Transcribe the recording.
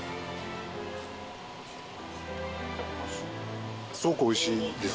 すごく美味しいです。